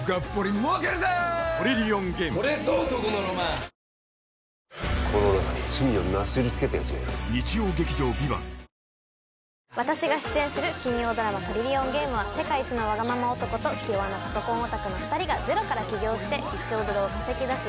絶好調はぁ私が出演する金曜ドラマ「トリリオンゲーム」は世界一のワガママ男と気弱なパソコンオタクの２人がゼロから起業して１兆ドルを稼ぎ出す